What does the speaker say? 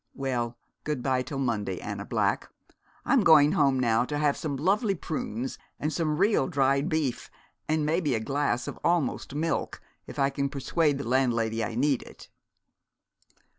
Well, good by till Monday, Anna Black. I'm going home now, to have some lovely prunes and some real dried beef, and maybe a glass of almost milk if I can persuade the landlady I need it."